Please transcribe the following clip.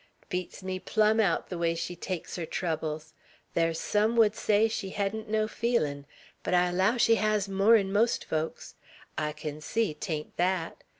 'T beats me plum out, ther way she takes her troubles. Thar's sum would say she hedn't no feelin'; but I allow she hez more 'n most folks. I kin see, 'tain't thet.